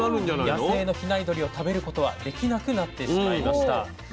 野生の比内鶏を食べることはできなくなってしまいました。